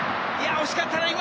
惜しかったな、今。